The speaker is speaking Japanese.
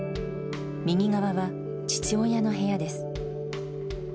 右側は父親の部屋です。